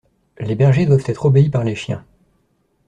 Les bergers doivent être obéis par les chiens.